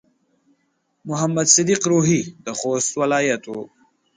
محمد صديق روهي د خوست ولايت و.